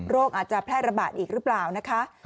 อาจจะแพร่ระบาดอีกหรือเปล่านะคะ